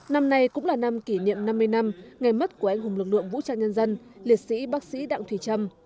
năm nay cũng là năm kỷ niệm năm mươi năm ngày mất của anh hùng lực lượng vũ trang nhân dân liệt sĩ bác sĩ đặng thùy trâm